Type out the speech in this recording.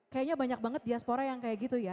kayaknya banyak banget diaspora yang kayak gitu ya